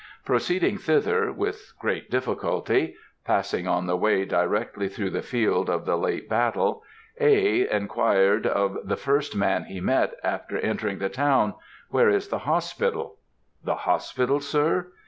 Proceeding thither, with great difficulty,—passing on the way directly through the field of the late battle,—A. inquired of the first man he met after entering the town, "Where is the hospital?" "The hospital, sir?